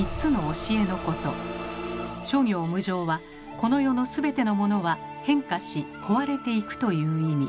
「諸行無常」はこの世のすべてのモノは変化し壊れていくという意味。